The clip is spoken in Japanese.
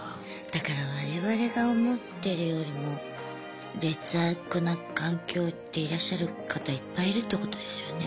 だから我々が思ってるよりも劣悪な環境でいらっしゃる方いっぱいいるってことですよね。